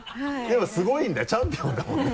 すごいんだよチャンピオンだもんね。